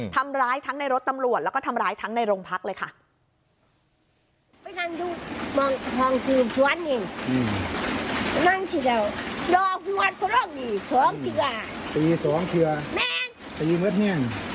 ทำร้ายทั้งในรถตำรวจแล้วก็ทำร้ายทั้งในโรงพักเลยค่ะ